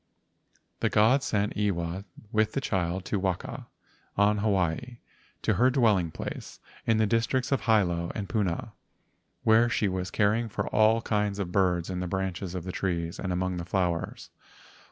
The gods sent Iwa with the child to Waka, on Hawaii, to her dwelling place in the districts of Hilo and Puna where she was caring for all kinds of birds in the branches of the trees and among the flowers.